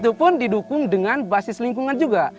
itu pun didukung dengan basis lingkungan juga